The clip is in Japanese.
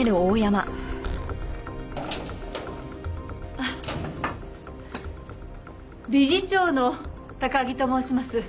あっ理事長の高木と申します。